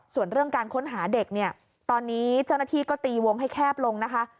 ส่วนเรื่องการค้นหาเด็กเนี่ยตอนนี้เจ้าหน้าที่ก็ตีวงให้แคบลงนะคะ